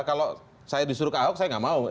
kalau saya disuruh ke ahok saya nggak mau